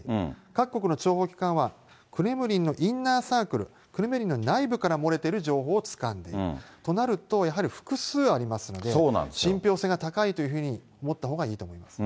各国の諜報機関は、クレムリンのインナーサークル、クレムリンの内部から漏れている情報をつかんでいるとなると、やはり複数ありますので、信ぴょう性が高いというふうに思ったほうがいいと思います。